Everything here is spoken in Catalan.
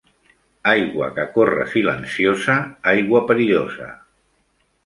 Aigua que corre silenciosa, aigua perillosa